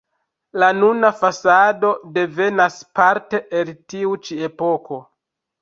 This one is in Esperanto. La nuna fasado devenas parte el tiu ĉi epoko.